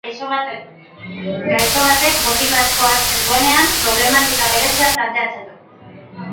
Gaixo batek botika asko hartzen duenean problematika berezia planteatzen du.